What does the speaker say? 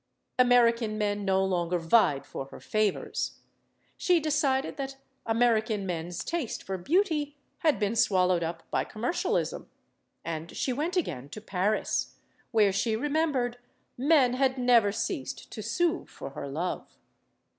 American men no longer vied for her favors. She decided that American men's taste for beauty had been swallowed up by commercialism. And she went again to Paris, where, she remembered, men had never ceased to sue for her love.